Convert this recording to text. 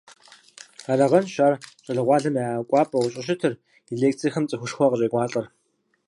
Арагъэнущ ар щӀалэгъуалэм я кӀуапӀэу щӀыщытыр, и лекцэхэм цӀыхушхуэ къыщӀекӀуалӀэр.